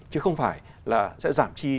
chứ không phải sẽ giảm chi